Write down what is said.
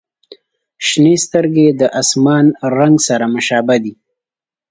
• شنې سترګې د آسمان رنګ سره مشابه دي.